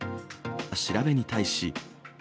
調べに対し。